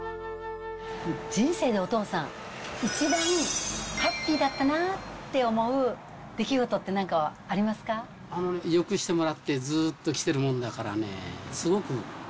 人生の、お父さん、一番ハッピーだったなって思う出来事ってよくしてもらって、ずっときてるもんだからね。